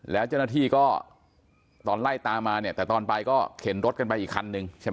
แล้วเจ้าหน้าที่ก็ตอนไล่ตามมาเนี่ยแต่ตอนไปก็เข็นรถกันไปอีกคันนึงใช่ไหม